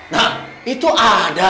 nah itu ada